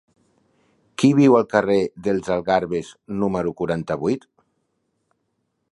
Qui viu al carrer dels Algarves número quaranta-vuit?